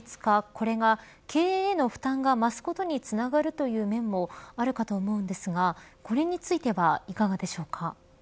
これが経営の負担が増すことにつながるという面もあるかと思うんですがこれについてはいかがでしょうか。